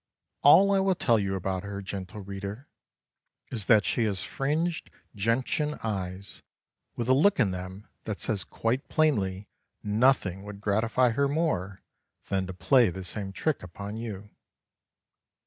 All I will tell you about her, gentle reader, is that she has fringed gentian eyes with a look in them that says quite plainly nothing would gratify her more than to play the same trick upon you.